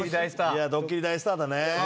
いやドッキリ大スターだね。